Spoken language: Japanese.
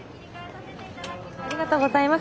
ありがとうございます。